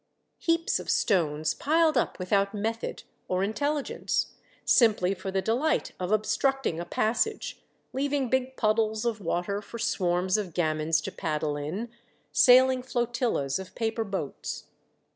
Heaps of stones piled up without method or intelli gence, simply for the delight of obstructing a passage, leaving big puddles of water for swarms of gamins to paddle in, saihng flotillas of paper boats.